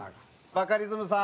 バカリズムさん。